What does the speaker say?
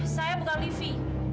saya bukan livi